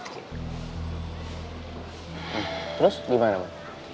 nah terus gimana ma